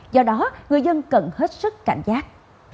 do đó người dân cần hết sức cảnh giác